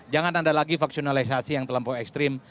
jangan ada lagi vaksinalisasi yang terlampau ekstrim